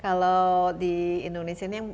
kalau di indonesia ini